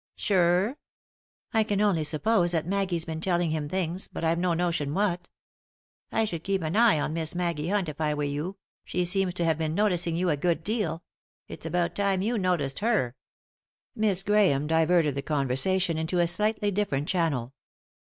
" Sure ?" "I can only suppose that Maggie's been telling bim things, but I've no notion what." " I should keep an eye on Miss Maggie Hunt if I were you. She seems to have been notic ing you a good deal ; if s about time you noticed her." 3i 9 iii^d by Google THE INTERRUPTED KISS Miss Grahame diverted the conversation into a slightly different channel.